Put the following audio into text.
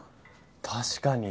確かに。